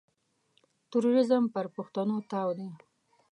تروريزم پر پښتنو تاوان دی.